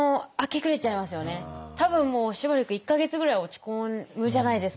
多分もうしばらく１か月ぐらいは落ち込むじゃないですか。